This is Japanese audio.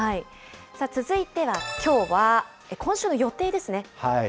さあ、続いては、きょうは、今週の予定ですね。